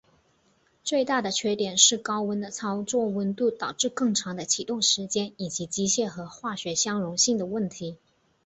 最大的缺点是高温的操作温度导致更长的启动时间以及机械和化学相容性的问题。